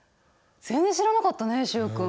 全然知らなかったね習君。